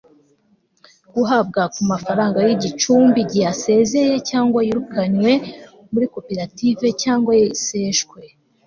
guhabwa ku mafaranga y'igicumbi igihe asezeye cyangwa yirukanywe muri koperative cyangwa iyo iseshwe